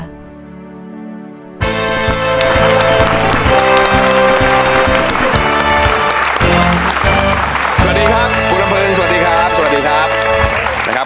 สวัสดีครับคุณลำพึงสวัสดีครับสวัสดีครับนะครับ